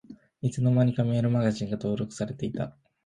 いつの間にかメールマガジンが登録されてた